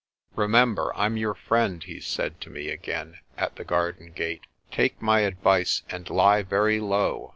"Remember, Pm your friend," he said to me again at the garden gate. "Take my advice and lie very low.